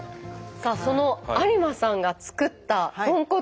さあその有馬さんが作った豚骨。